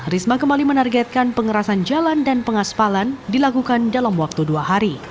risma kembali menargetkan pengerasan jalan dan pengaspalan dilakukan dalam waktu dua hari